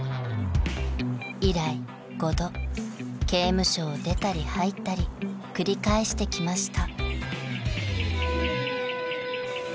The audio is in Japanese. ［以来５度刑務所を出たり入ったり繰り返してきました］